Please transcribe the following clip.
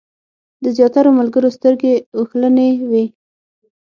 د زیاترو ملګرو سترګې اوښلنې وې.